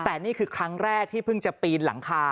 แต่นี่คือครั้งแรกที่เพิ่งจะปีนหลังคา